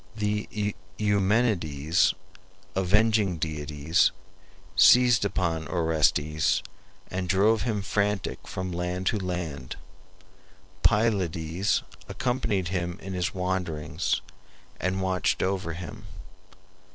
The Eumenides, avenging deities, seized upon Orestes, and drove him frantic from land to land. Pylades accompanied him in his wanderings and watched over him.